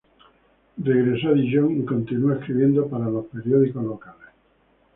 Regresó a Dijon y continuó escribiendo para los periódicos locales.